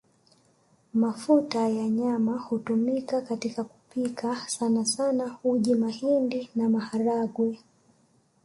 Mafuta ya nyama hutumika katika kupika sanasana uji mahindi na maharagwe